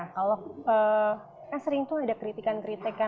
kalau kan sering tuh ada kritikan kritikan